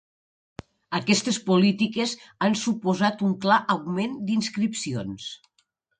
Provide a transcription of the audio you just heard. Aquestes polítiques han suposat un clar augment d'inscripcions.